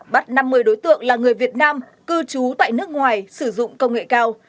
bắt năm mươi đối tượng là người việt nam cư trú tại nước ngoài sử dụng công nghệ cao